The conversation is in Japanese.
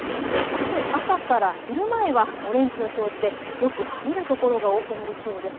あす朝から昼前はオレンジの表示でよく晴れる所が多くなりそうです。